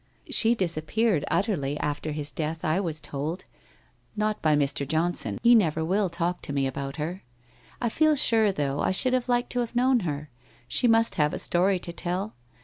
She disappeared utterly after his death, I was told. Not by Mr. Johnson; he never will talk to me about her. I feel sure, though, I should have liked to have known her; she must have a story to tell